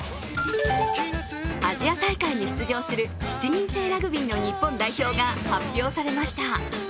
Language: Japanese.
アジア大会に出場する７人制ラグビーの日本代表が発表されました。